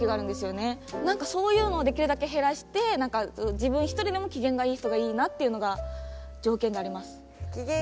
なんかそういうのをできるだけ減らして自分１人でも機嫌がいい人がいいなっていうのが条件にあります。